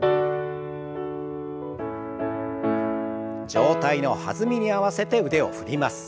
上体の弾みに合わせて腕を振ります。